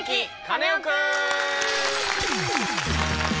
カネオくん」！